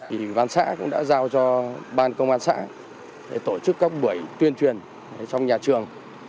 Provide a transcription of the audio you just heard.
ủy ban xã cũng đã giao cho ban công an xã để tổ chức các buổi tuyên truyền trong nhà trường